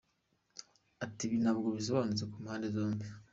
Ati "Ibi ntabwo bisobanutse ku mpande zombi.